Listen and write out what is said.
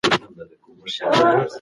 دا زموږ د ټولو غوښتنه ده.